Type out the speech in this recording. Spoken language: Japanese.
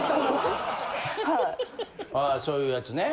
あそういうやつね。